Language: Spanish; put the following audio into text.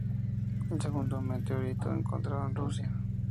Este es el segundo meteorito encontrado en Rusia.